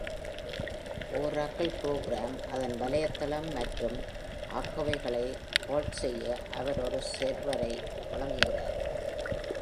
Oracle program, அதன் வலைத்தளம் மற்றும் ஆர்கைவ்களை ஹோஸ்ட் செய்ய அவர் ஒரு செர்வரை வழங்குகிறார்.